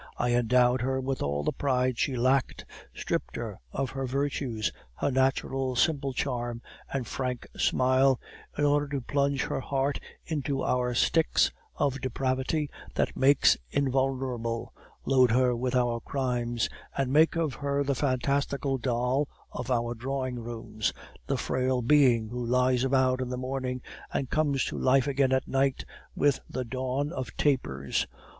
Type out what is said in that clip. I endowed her with all the pride she lacked, stripped her of her virtues, her natural simple charm, and frank smile, in order to plunge her heart in our Styx of depravity that makes invulnerable, load her with our crimes, make of her the fantastical doll of our drawing rooms, the frail being who lies about in the morning and comes to life again at night with the dawn of tapers.